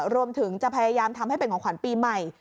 รวมถึงจะพยายามทำให้เป็นของขวัญปีใหม่